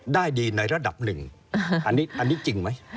ได้ดีในระดับหนึ่งอันนี้จริงไหม